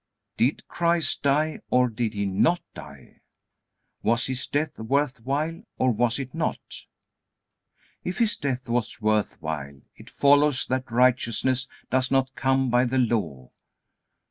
Did Christ die, or did He not die? Was His death worth while, or was it not? If His death was worth while, it follows that righteousness does not come by the Law.